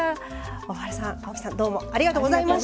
大原さん青木さんどうもありがとうございました。